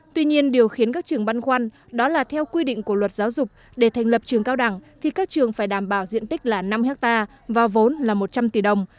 tuy nhiên điều khiến các trường băn khoăn đó là theo quy định của luật giáo dục để thành lập trường cao đẳng thì các trường phải đảm bảo diện tích là năm ha và vốn là một trăm linh tỷ đồng